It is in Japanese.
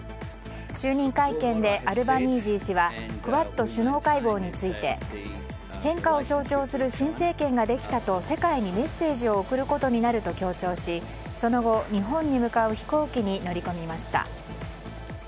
就任会見でアルバニージー氏はクアッド首脳会合について変化を象徴する新政権ができたと世界にメッセージを送ることになると強調しその後、日本に向かう飛行機に乗り込みました。